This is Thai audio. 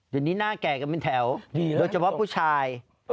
เดี๋ยวนี้หน้าแก่กันเป็นแถวโดยเฉพาะผู้ชาย